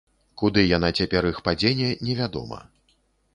Куды яна цяпер іх падзене, невядома.